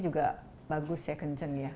juga bagus ya kenceng ya